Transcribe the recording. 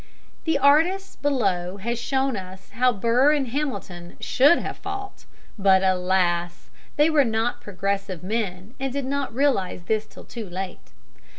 The artist has shown us how Burr and Hamilton should have fought, but, alas! they were not progressive men and did not realize this till too late.